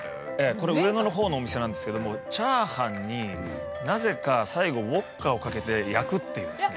これ上野のほうのお店なんですけどもチャーハンになぜか最後ウォッカをかけて焼くっていうですね。